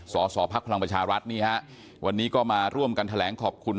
สสพลังประชารัฐนี่ฮะวันนี้ก็มาร่วมกันแถลงขอบคุณ